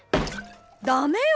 ダメよ！